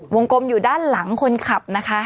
กลมอยู่ด้านหลังคนขับนะคะ